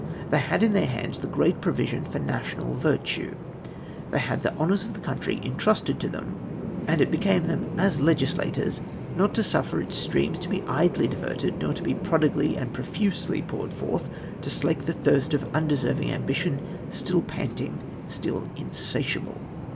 They had in their hands the great provision for national virtue. They had the honours of the country intrusted to them, and it became them as legislators not to suffer its streams to be idly diverted, nor to be prodigally and profusely poured forth to slake the thirst of undeserving ambition, still panting, still insatiable."